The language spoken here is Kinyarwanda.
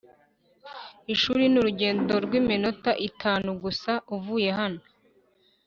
ishuri ni urugendo rw'iminota itanu gusa uvuye hano.